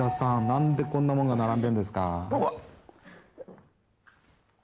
何でこんなものが並んでるんですか？」